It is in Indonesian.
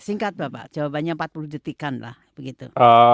singkat bapak jawabannya empat puluh detikan lah begitu